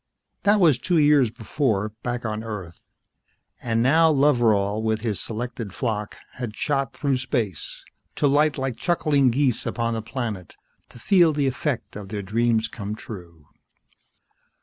That was two years before, back on Earth. And now Loveral with his selected flock had shot through space, to light like chuckling geese upon the planet, to feel the effect of their dreams come true.